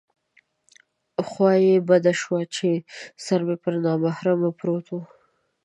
خوا یې بده شوه چې سر مې پر نامحرم پروت و.